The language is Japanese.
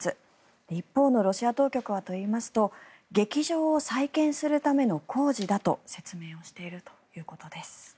一方のロシア当局はといいますと劇場を再建するための工事だと説明をしているということです。